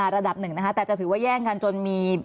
แต่จะถือว่าแย่งกันจนมี